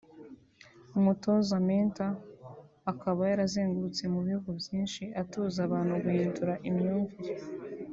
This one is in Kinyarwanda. umutoza (Mentor ) akaba yarazengurutse mu bihugu byinshi atoza abantu guhindura imyumvire